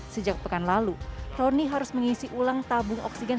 sejak pekan lalu roni harus mengisi ulang tabung oksigen